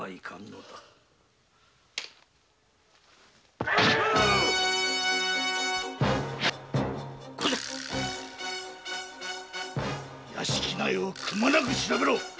御前屋敷内をくまなく調べろ